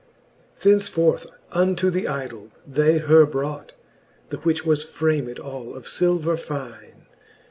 Thenceforth unto the idoll they her brought, The which was framed all of filver fine.